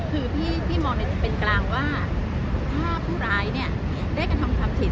คือพี่มองในเป็นกลางว่าถ้าผู้ร้ายเนี่ยได้กระทำความผิด